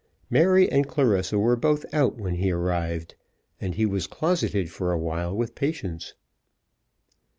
Mary and Clarissa were both out when he arrived, and he was closeted for a while with Patience.